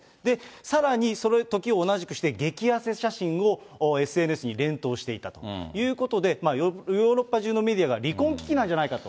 さらに時を同じくして、激痩せ写真をＳＮＳに連投していたということで、ヨーロッパ中のメディアが離婚危機なんじゃないかと。